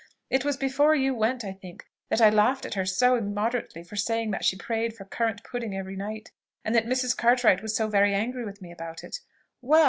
It was before you went, I think, that I laughed at her so immoderately for saying that she prayed for currant pudding every night, and that Mrs. Cartwright was so very angry with me about it. Well!